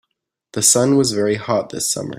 The sun was very hot this summer.